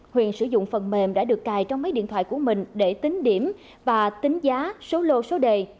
huyền sử dụng phần mềm đã được cài trong mấy điện thoại của mình để tính điểm và tính giá số lô số đề